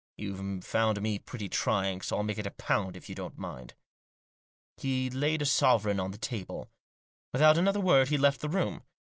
YouVe found me pretty trying. So FU make it a pound if you don't mind." He laid a sovereign on the table. Without another word he left the room.